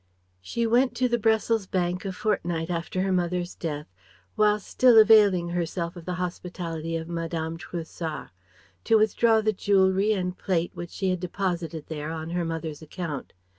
She went to the Brussels bank a fortnight after her mother's death whilst still availing herself of the hospitality of Madame Trouessart: to withdraw the jewellery and plate which she had deposited there on her mother's account.